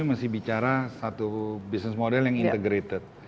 masih bicara satu bisnis model yang integrated